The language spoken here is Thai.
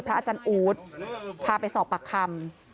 อาจารย์อู๊ดพาไปสอบปากคำ